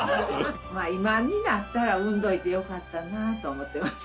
まあ今になったら産んどいてよかったなと思ってます。